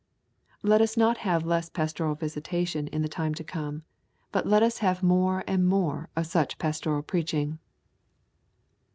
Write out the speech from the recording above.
Let us not have less pastoral visitation in the time to come, but let us have more and more of such pastoral preaching.